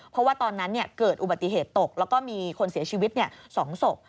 เพราะว่าตอนนั้นเกิดอุบัติเหตุตกแล้วก็มีคนเสียชีวิต๒ศพ